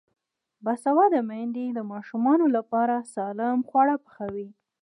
باسواده میندې د ماشومانو لپاره سالم خواړه پخوي.